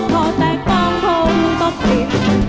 พอแตกปองพงตกติด